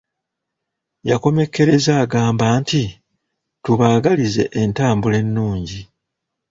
Yakomekereza agamba nti"tubaagalize entambula ennungi"